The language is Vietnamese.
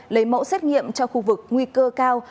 lấy mẫu xét nghiệm cho khu vực nguy cơ cao